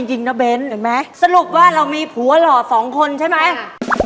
เรามีผัวหล่อ๒คนใช่ไหมค่ะ